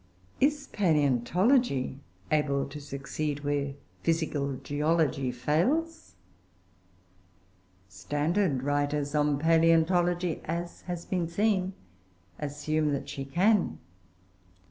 Is palaeontology able to succeed where physical geology fails? Standard writers on palaeontology, as has been seen, assume that she can.